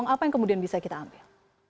apa yang kemudian bisa kita ambil